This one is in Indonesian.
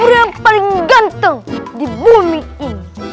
haji sobri yang paling ganteng di bumi ini